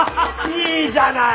いいじゃない！